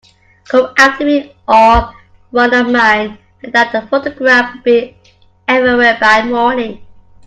Come after me or one of mine, and that photograph will be everywhere by morning.